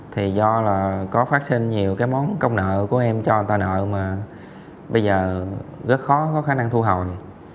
thì do là có phát sinh nhiều cái món công nợ của em cho tà nợ mà bây giờ rất khó có khả năng thu hồi